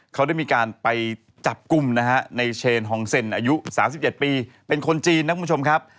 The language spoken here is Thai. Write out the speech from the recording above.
เขาได้มีการไปจับกลุ่มนะฮะในเชนฮองเซ็นอายุ๓๗ปีเป็นคนจีนนะคุณผู้ชมครับ